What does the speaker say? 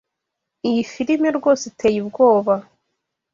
Iyi firime rwose iteye ubwoba.